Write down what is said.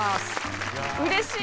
うれしい。